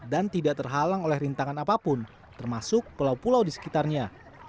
dan tidak terhalang oleh rintangan apapun termasuk pulau pulau di sekitarnya